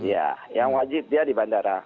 ya yang wajib dia di bandara